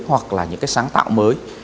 hoặc là những sáng tạo mới